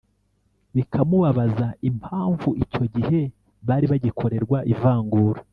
bikamubabaza impamvu icyo gihe bari bagikorerwa ivangura